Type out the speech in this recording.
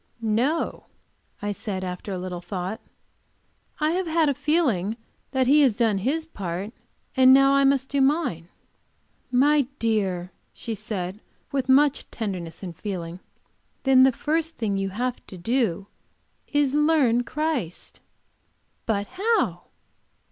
"No," I said, after a little thought. "I have had a feeling that He has done His part, and now I must do mine." "My dear," she said, with much tenderness and feeling, "then the first thing you have to do is to learn Christ." "But how?"